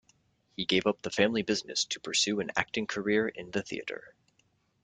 He gave up the family business to pursue an acting career in the theater.